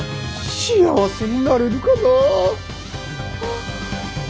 幸せになれるかな。